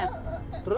ya tidak pernah